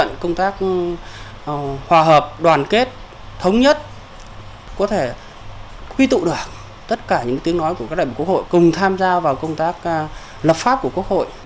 các công tác hòa hợp đoàn kết thống nhất có thể quy tụ được tất cả những tiếng nói của các đại biểu quốc hội cùng tham gia vào công tác lập pháp của quốc hội